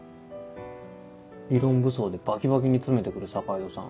理論武装でバキバキに詰めてくる坂井戸さん